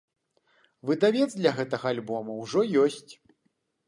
Выдавец для гэтага альбому ўжо ёсць.